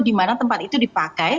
di mana tempat itu dipakai